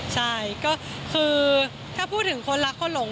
ใช่ก็คือถ้าพูดถึงคนรักคนหลง